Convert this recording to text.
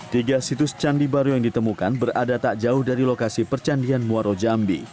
tiga situs candi baru yang ditemukan berada tak jauh dari lokasi percandian muaro jambi